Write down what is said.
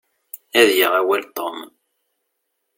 Ad yaɣ awal Tom.